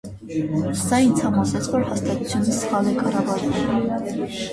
Սա ինձ համոզեց, որ հաստատությունը սխալ է կառավարվում։